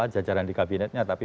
jajaran di kabinetnya tapi